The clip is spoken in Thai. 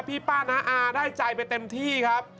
ป้าน้าอาได้ใจไปเต็มที่ครับ